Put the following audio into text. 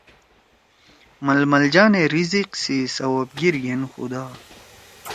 ململ جانے رزق سی سوَبگیِر گھین خُدا